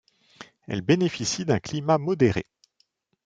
Elle bénéficie d'un climat modéré.